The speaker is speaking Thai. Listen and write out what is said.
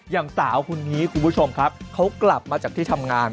อย่างสาวคนนี้คุณผู้ชมครับเขากลับมาจากที่ทำงาน